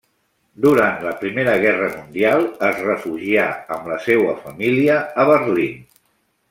Durant la Primera Guerra mundial es refugià amb la seua família a Berlín.